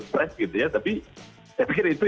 fresh gitu ya tapi saya pikir itu